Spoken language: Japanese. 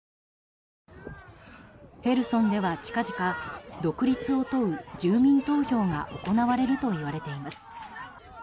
ヘルソンでは、近々独立を問う住民投票が行われるといわれています。